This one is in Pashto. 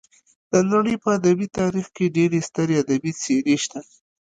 د نړۍ په ادبي تاریخ کې ډېرې سترې ادبي څېرې شته.